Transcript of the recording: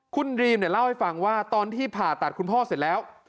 คุณดรีมเนี่ยเล่าให้ฟังว่าตอนที่ผ่าตัดคุณพ่อเสร็จแล้ว